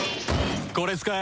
これ使え。